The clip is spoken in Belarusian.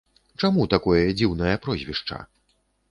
Чаму такое дзіўнае прозвішча?